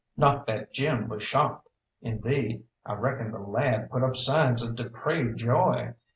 Not that Jim was shocked indeed, I reckon the lad put up signs of depraved joy.